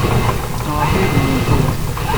Maɣef ay iyi-d-nnant aya?